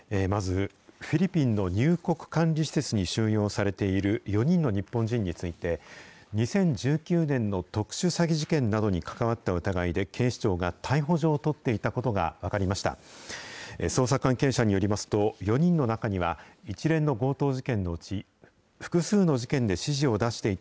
まず、フィリピンの入国管理施設に収容されている４人の日本人について、２０１９年の特殊詐欺事件などに関わった疑いで警視庁が逮捕状を取っていたことが分かりました。